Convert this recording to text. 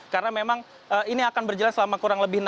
karena memang ini akan berjalan selama kurang lebih lama